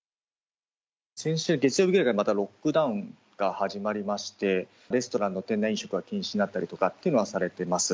先週月曜日ぐらいから、またロックダウンが始まりまして、レストランの店内飲食が禁止になったりとかっていうのはされてます。